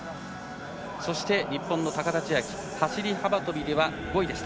そして、日本の高田千明走り幅跳びは５位でした。